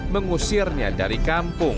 mengusirnya dari kampung